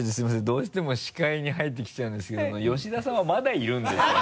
どうしても視界に入ってきちゃうんですけど吉田さんはまだいるんですね？